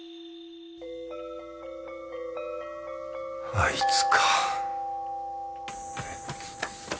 あいつか。